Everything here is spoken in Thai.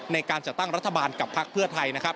ในการจัดตั้งรัฐบาลกับพักเพื่อไทยนะครับ